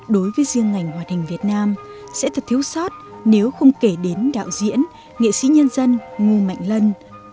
đối với riêng ngành hoạt hình việt nam sẽ thật thiếu sót nếu không kể đến đạo diễn nghệ sĩ nhân dân ngô mạnh lân